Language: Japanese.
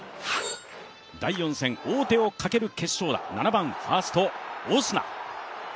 第４戦、王手をかける決勝打７番、ファースト・オスナ。